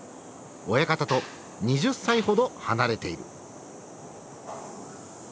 親方と２０歳ほど離れている。